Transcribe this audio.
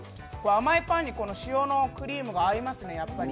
甘いパンに塩のクリームが合いますね。